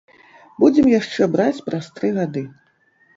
Будзем яшчэ браць праз тры гады.